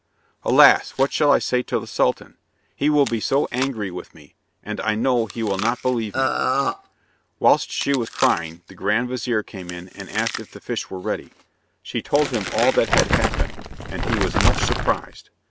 "Alas! what shall I say to the Sultan? He will be so angry with me, and I know he will not believe me!" Whilst she was crying the grand vizir came in and asked if the fish were ready. She told him all that had happened, and he was much surprised.